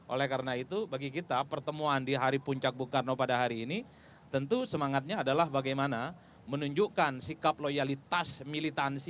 oleh karena itu bagi kita pertemuan di hari puncak bung karno pada hari ini tentu semangatnya adalah bagaimana menunjukkan sikap loyalitas militansi